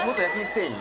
店員